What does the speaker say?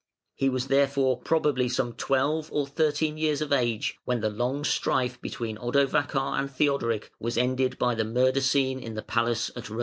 He was therefore probably some twelve or thirteen years of age when the long strife between Odovacar and Theodoric was ended by the murder scene in the palace at Ravenna.